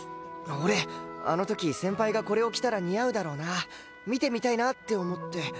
俺あの時先輩がこれを着たら似合うだろうな見てみたいなって思って。